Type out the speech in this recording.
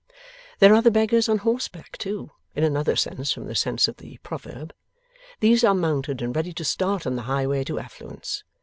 There are the beggars on horseback too, in another sense from the sense of the proverb. These are mounted and ready to start on the highway to affluence.